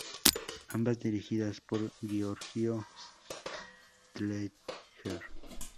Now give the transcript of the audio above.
Ambas dirigidas por Giorgio Strehler.